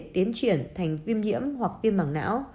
tiến triển thành viêm nhiễm hoặc viêm mảng não